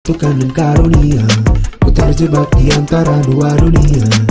tukang dengan karunia putar jebak diantara dua dunia